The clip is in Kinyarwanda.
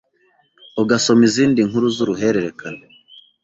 ugasoma izindi nkuru z’uruhererekane